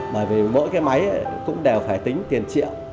bởi vì mỗi cái máy cũng đều phải tính tiền triệu